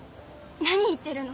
何言ってるの？